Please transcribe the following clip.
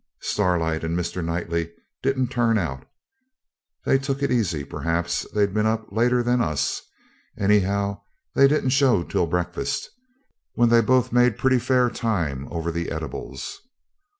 Starlight and Mr. Knightley didn't turn out, they took it easy, perhaps they'd been up later than us; anyhow, they didn't show till breakfast, when they both made pretty fair time over the eatables.